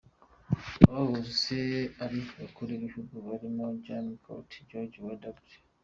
Abahoze ari abakuru b’ibihugu barimo Jimmy Carter, George W.